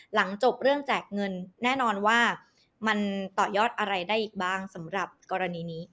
หลังจบเรื่องแจกเงินแน่นอนว่ามันต่อยอดอะไรได้อีกบ้างสำหรับกรณีนี้